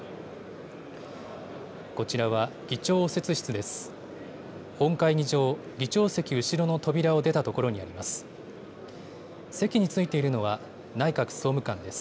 こちらは、議長応接室です。